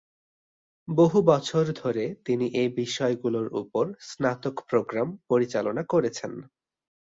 বহু বছর ধরে তিনি এ-বিষয়গুলোর উপর স্নাতক প্রোগ্রাম পরিচালনা করেছেন।